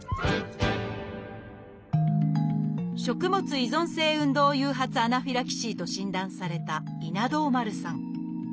「食物依存性運動誘発アナフィラキシー」と診断された稲童丸さん。